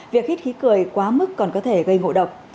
việc hít khí cười quá mức còn có thể gây ngộ độc